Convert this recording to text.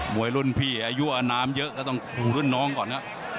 วยรุ่นพี่อายุอนามเยอะก็ต้องรุ่นน้องก่อนนะ